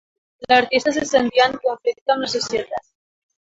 L'artista se sentia en conflicte amb la societat.